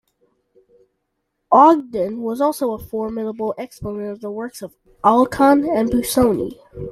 Ogdon was also a formidable exponent of the works of Alkan and Busoni.